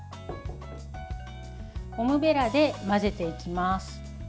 ゴムべらで混ぜていきます。